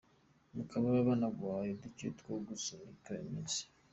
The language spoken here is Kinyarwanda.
Bakaba banaguhaye duke two gusunika iminsi.